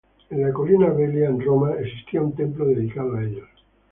En la colina Velia en Roma existía un templo dedicado a ellos.